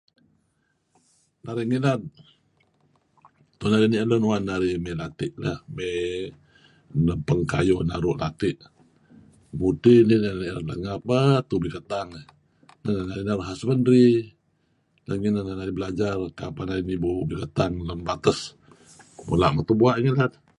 Narih ngilad, pengeh narih ni'er lun uan naarih mey lati' lah, mey nebpeng kayuh naru' lati'. Mudti dih teh narih ni'er, let ngapeh teh ubuh kentang iih. { Not clear... husbandary]. Let ngineh neh narih belajar kapeh narih nibu ubih kentang lem bates. Mula' meto' bua' deh ngilad.